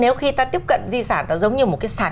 nếu khi ta tiếp cận di sản nó giống như một cái sản